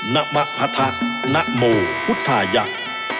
ณมะพัทนโมพุทธายักษ์